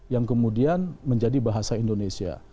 yang kemudian menjadi bahasa indonesia